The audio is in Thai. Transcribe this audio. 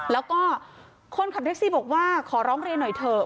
แล้วก็คนขับแท็กซี่บอกว่าขอร้องเรียนหน่อยเถอะ